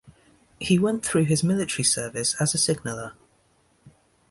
He went through his military service as a signaller.